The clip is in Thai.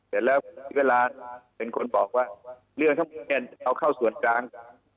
เสร็จแล้วคุณศิวาราเป็นคนบอกว่าเรื่องท่านบุญเนียนจะเอาเข้าส่วนกลาง